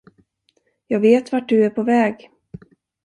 Jag vet vart du är på väg.